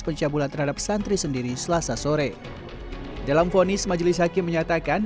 pencabulan terhadap santri sendiri selasa sore dalam vonis majelis hakim menyatakan